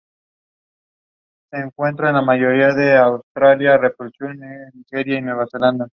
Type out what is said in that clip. El cargo se encuentra vacante.